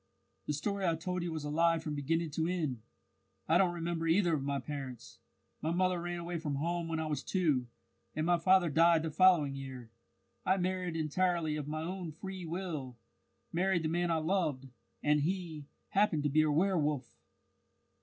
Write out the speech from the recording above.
The story I told you was a lie from beginning to end. I don't remember either of my parents my mother ran away from home when I was two, and my father died the following year. I married entirely of my own free will married the man I loved, and he happened to be a werwolf!"